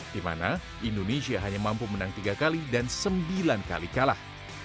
di mana indonesia hanya mampu menang tiga kali dan sembilan kali kalah